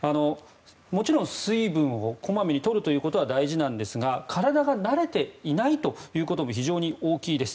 もちろん水分を小まめに取ることは大事なんですが体が慣れていないということも非常に大きいです。